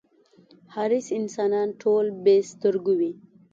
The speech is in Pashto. حریص انسانان ټول بې سترگو وي.